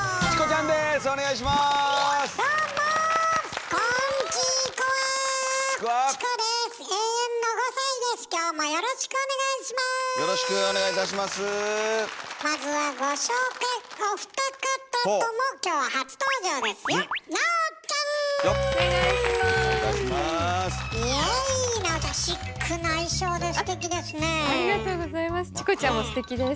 チコちゃんもステキです。